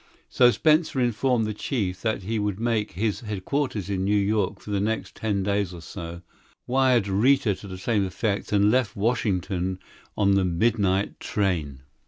So Spencer informed the chief that he would make his headquarters in New York for the next ten days or so, wired Rita to the same effect, and left Washington on the midnight train.